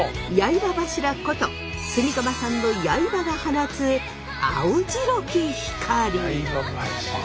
刃柱こと炭竈さんの刃が放つ青白き光。